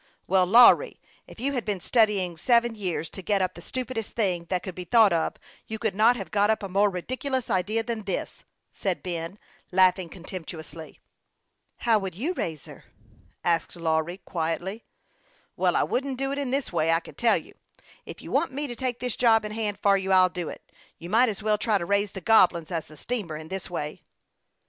" Well, Lawry, if you had been studying seven years to get up the stupidest thing that could be thought of, you could not have got up a more ridicu lous idea than this," said Ben, laughing contempt uously. " How would you raise her ?" asked Lawry, 11* 126 HASTE AND WASTE, OK quietly, though his cheeks burned at the words of his brother. " Well, I wouldn't do it in this way, I can tell you. If you want me to take this job in hand for you, I'll do it. You might as well try to raise the Goblins as the steamer in this way."